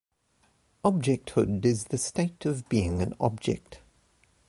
Objecthood is the state of being an object.